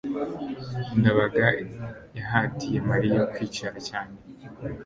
ndabaga yahatiye mariya kwicara cyane